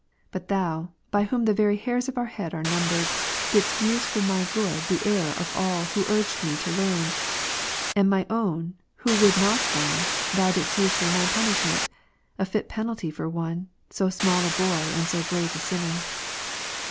But Thou, by whom the very hairs of Matt. our head are numbered, didst use for my good the error of all ' who urged me to learn ; and my own, who would not learn, Thou didst use for my punishment — a fit penalty for one, so small a boy and so great a sinner.